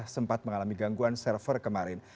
sempat mengalami gangguan server kemarin